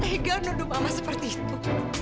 tega nuduh mama seperti itu